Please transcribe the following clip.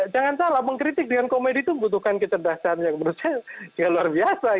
jangan salah mengkritik dengan komedi itu membutuhkan kecerdasan yang menurut saya luar biasa